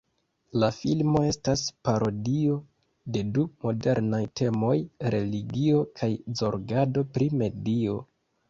La filmo estas parodio de du modernaj temoj: religio kaj zorgado pri medio.